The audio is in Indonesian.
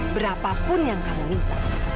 berapapun yang kamu minta